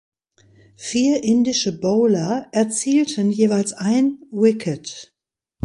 Vier indische Bowler erzielten jeweils ein Wicket.